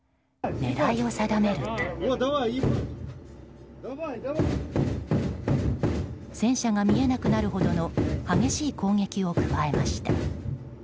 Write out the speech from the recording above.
狙いを定めると戦車が見えなくなるほどの激しい攻撃を加えました。